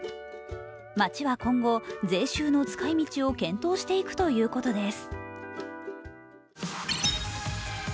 町は今後、税収の使い道を検討していくということです。